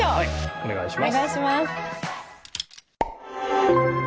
お願いします。